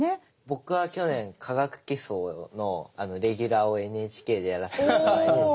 僕は去年「化学基礎」のレギュラーをＮＨＫでやらせて頂いてて。